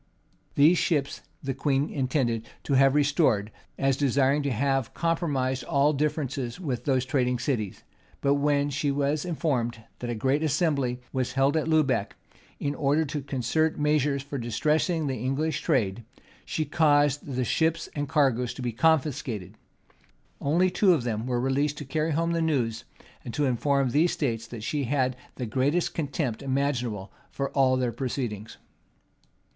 These ships the queen intended to have restored, as desiring to have compromised all differences with those trading cities; but when she was informed, that a general assembly was held at Lubec, in order to concert measures for distressing the English trade, she caused the ships and cargoes to be confiscated: only two of them were released to carry home the news, and to inform these states, that she had the greatest contempt imaginable for all their proceedings.